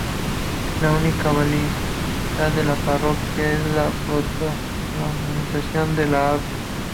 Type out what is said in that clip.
La única vialidad a la parroquia es la prolongación de la Ave.